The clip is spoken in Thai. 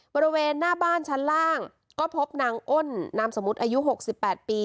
บริเวณหน้าบ้านชั้นล่างก็พบนางอ้นนามสมมุติอายุ๖๘ปี